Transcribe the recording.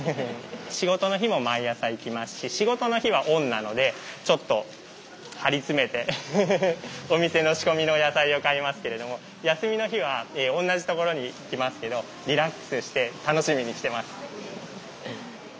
仕事の日も毎朝行きますし仕事の日はオンなのでちょっと張り詰めてお店の仕込みの野菜を買いますけれども休みの日は同じところに来ますけどリラックスして楽しみに来てます。